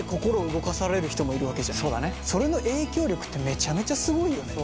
それの影響力ってめちゃめちゃすごいよね。